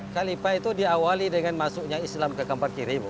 kalipa itu diawali dengan masuknya islam ke kampar kiri